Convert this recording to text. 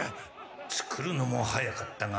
つくるのも早かったが。